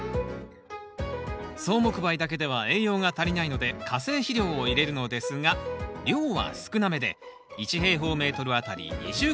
草木灰だけでは栄養が足りないので化成肥料を入れるのですが量は少なめで１あたり２０ｇ。